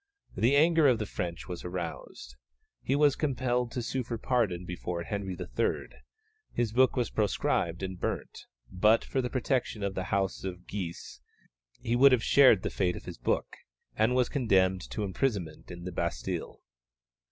The anger of the French was aroused. He was compelled to sue for pardon before Henry III.; his book was proscribed and burnt; but for the protection of the House of Guise, he would have shared the fate of his book, and was condemned to imprisonment in the Bastille.